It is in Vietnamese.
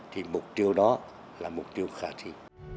thì mục tiêu đó là mục tiêu khả thi